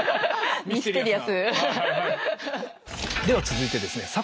では続いてですね